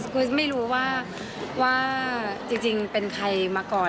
ไม่รู้ว่าจริงเป็นใครมาก่อน